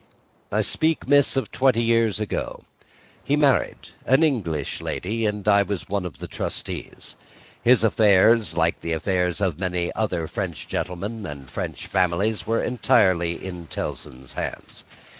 "I speak, miss, of twenty years ago. He married an English lady and I was one of the trustees. His affairs, like the affairs of many other French gentlemen and French families, were entirely in Tellson's hands.